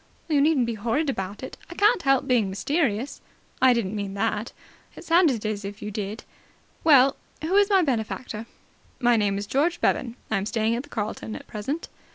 "You needn't be horrid about it. I can't help being mysterious." "I didn't mean that." "It sounded as if you did. Well, who is my benefactor?" "My name is George Bevan. I am staying at the Carlton at present."